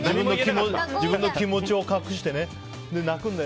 自分の気持ちを隠してね。